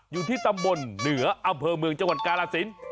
อยู่ที่ตำบลเหนืออำเภอเมืองจังหวัดกาลสิน